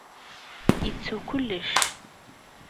Yettu kullec.